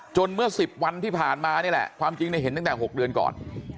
เมื่อ๑๐วันที่ผ่านมานี่แหละความจริงเห็นตั้งแต่๖เดือนก่อน